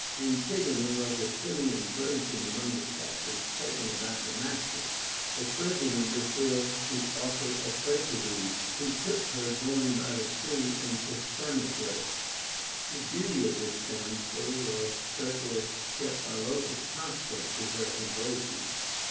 Antigona was a Pellaean virgin among the captives taken about Damas cus, a prisoner before to Autophradates, who took her going by. sea into Samothrace. The beauty of this damsel was such as kept Philotas constant to her embraces.